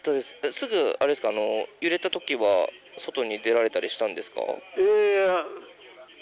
すぐ揺れた時は外に出られたりしたんですか？